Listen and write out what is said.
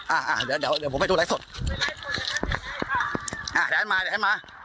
อ่าอ่าเดี๋ยวเดี๋ยวผมให้ดูอะไรสดอ่าแหละมาแหละมา